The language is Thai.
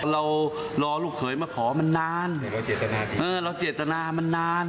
รอลูกเขยมาขอมันนานเออเราเจตนามันนาน